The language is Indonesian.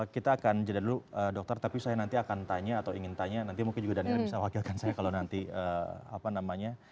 kita akan jeda dulu dokter tapi saya nanti akan tanya atau ingin tanya nanti mungkin juga daniel bisa wakilkan saya kalau nanti apa namanya